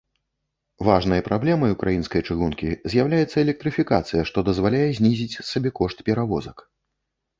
Важнай праблемай ўкраінскай чыгункі з'яўляецца электрыфікацыя, што дазваляе знізіць сабекошт перавозак.